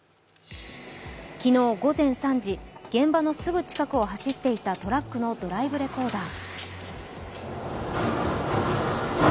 昨日午前３時、現場のすぐ近くを走っていたトラックのドライブレコーダー。